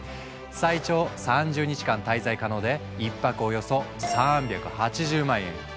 最長３０日間滞在可能で１泊およそ３８０万円。